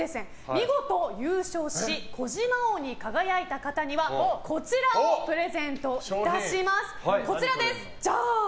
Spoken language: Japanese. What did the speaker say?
見事、優勝し児嶋王に輝いた方にはこちらをプレゼントいたします。